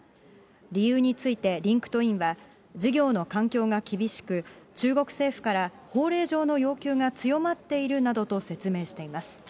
理由について、リンクトインは、事業の環境が厳しく、中国政府から法令上の要求が強まっているなどと説明しています。